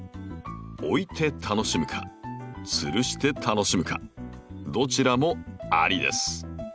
置いて楽しむかつるして楽しむかどちらもありです。